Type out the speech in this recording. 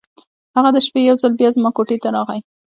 هغه د شپې یو ځل بیا زما کوټې ته راغی.